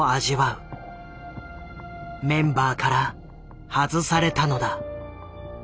メンバーから外されたのだ。